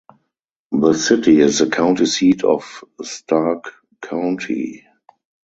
The city is the county seat of Starke County.